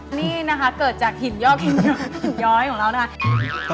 อันนี้นะก็เกิดจากหินยอกหินย้อยของเรานะคะ